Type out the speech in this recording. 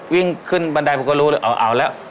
วิ่งขึ้นบันไดพวกเขารู้เอาแล้ว